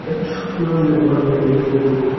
তিনি একটি ফার্মাকোলজি কোর্সে ভর্তির অধিকারী হন।